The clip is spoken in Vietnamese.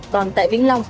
còn tại vĩnh long